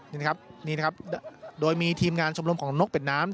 นี่นะครับนี่นะครับโดยมีทีมงานชมรมของนกเป็ดน้ำ